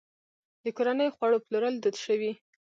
د کورنیو خوړو پلورل دود شوي؟